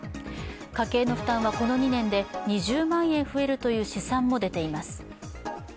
家計の負担はこの２年で２０万円増えるという試算も出ています。